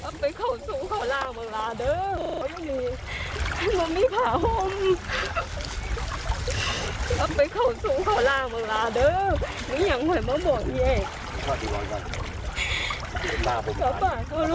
มึงอยากไหวมาบอกอีเอ๊ะ